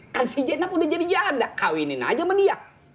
kan si jena pun udah jadi jahat kak kawinin aja sama dia